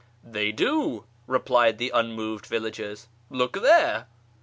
" They do," replied the unmoved villagers ;" look there."